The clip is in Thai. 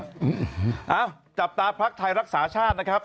เอ้าจับตาพักไทยรักษาชาตินะครับ